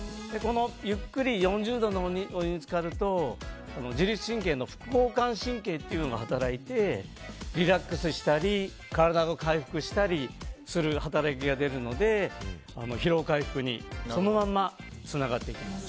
ゆっくり４０度のお湯につかると自律神経の副交感神経というのが働いてリラックスしたり体が回復したりする働きが出るので、疲労回復にそのままつながっていきます。